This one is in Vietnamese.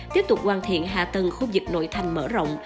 tiếp tục hoàn thiện hạ tầng khu vực nội thành mở rộng